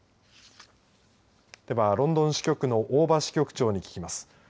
では、ロンドン支局の大庭支局長に聞きます。